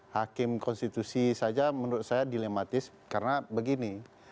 hakim konstitusi saja menurut saya dilematis karena begini